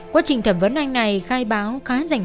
quá trình thẩm vấn anh này khai báo khá rảnh ràng hơn